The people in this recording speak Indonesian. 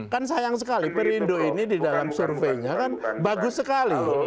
kan sayang sekali perindo ini di dalam surveinya kan bagus sekali